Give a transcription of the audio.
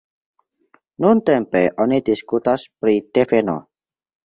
Nuntempe oni diskutas pri deveno.